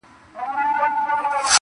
لوى خانان او مالداران يې پاچاهان وه!!